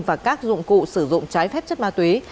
và các dụng cụ sử dụng trái phép chất ma túy